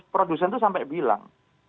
produsen tuh sampai bilang